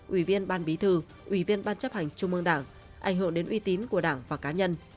ủy viên ban bí thư ủy viên ban chấp hành trung ương đảng ảnh hưởng đến uy tín của đảng và cá nhân